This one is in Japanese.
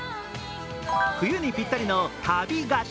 冬にぴったりの旅ガチャ。